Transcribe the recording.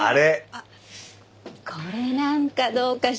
あっこれなんかどうかしら？